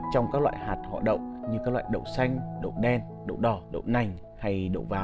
trong các loại hạt họ động như các loại đậu xanh đậu đen đậu đỏ đậu nành hay đậu vàng